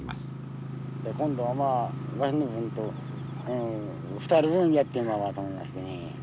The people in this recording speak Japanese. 今度はまあわしの分と２人分やってもらおうと思いましてね。